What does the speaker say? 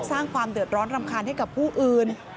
สร้างความเดือดร้อนรำคาญให้กับผู้อื่น